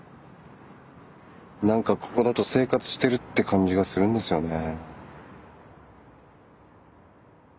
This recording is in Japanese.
何かここだと生活してるって感じがするんですよね。